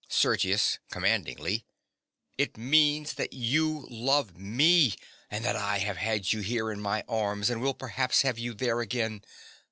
SERGIUS. (commandingly). It means that you love me, and that I have had you here in my arms, and will perhaps have you there again.